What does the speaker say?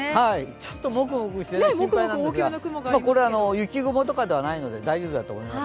ちょっともくもくしていて心配なんですが、これは雪雲とかではないので大丈夫だと思います。